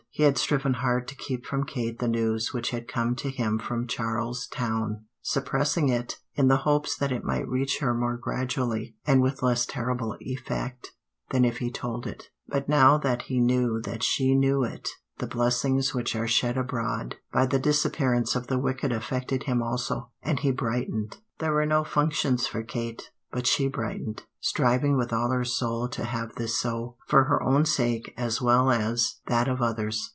He had striven hard to keep from Kate the news which had come to him from Charles Town, suppressing it in the hopes that it might reach her more gradually and with less terrible effect than if he told it, but now that he knew that she knew it the blessings which are shed abroad by the disappearance of the wicked affected him also, and he brightened. There were no functions for Kate, but she brightened, striving with all her soul to have this so, for her own sake as well as that of others.